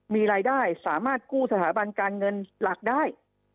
มีรายได้สามารถกู้สถาบันการเงินหลักได้